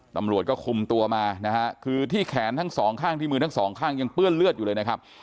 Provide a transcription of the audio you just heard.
ตำรวจก็คุมตัวมานะฮะคือที่แขนทั้งสองข้างที่มือทั้งสองข้างยังเปื้อนเลือดอยู่เลยนะครับ